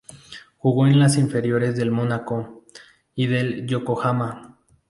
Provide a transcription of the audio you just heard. Jugó en las inferiores del Mónaco y del Yokohama.